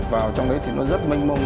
vào trong đấy thì nó rất mênh mông